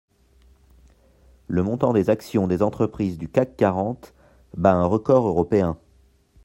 Le montant des actions des entreprises du CAC quarante bat un record européen.